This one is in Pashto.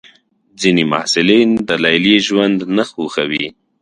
ځینې محصلین د لیلیې ژوند نه خوښوي.